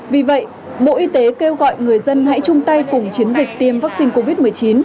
vì vậy bộ y tế kêu gọi người dân hãy chung tay cùng chiến dịch tiêm vaccine covid một mươi chín